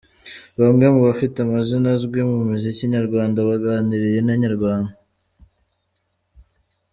Bamwe mu bafite amazina azwi mu muziki nyarwanda baganiriye na Inyarwanda.